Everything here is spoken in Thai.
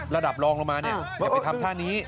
รองลงมาเนี่ยอย่าไปทำท่านี้